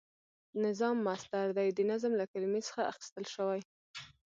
نظام مصدر دی د نظم له کلمی څخه اخیستل شوی،